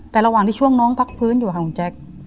แต่ระหว่างที่ช่วงน้องพักฟื้นอยู่ค่ะคุณแจ๊ค